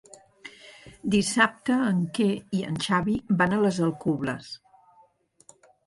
Dissabte en Quer i en Xavi van a les Alcubles.